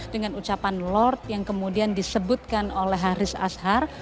dengan ucapan lord yang kemudian disebutkan oleh haris ashar